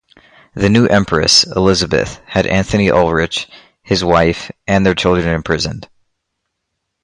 The new Empress, Elizabeth, had Anthony Ulrich, his wife, and their children imprisoned.